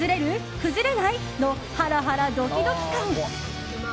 崩れない？のハラハラドキドキ感！